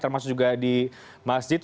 termasuk juga di masjid